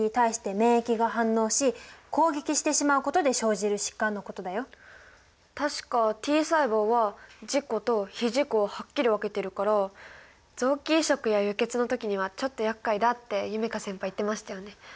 自己免疫疾患とは確かＴ細胞は自己と非自己をはっきり分けてるから臓器移植や輸血の時にはちょっとやっかいだって夢叶先輩言ってましたよね。